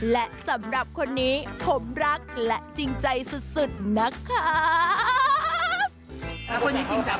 และสำหรับคนนี้ผมรักและจริงใจสุดนะครับ